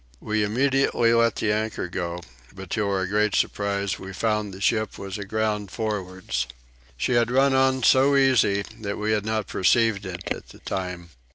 We immediately let the anchor go but to our great surprise we found the ship was aground forwards. She had run on so easy that we had not perceived it at the time.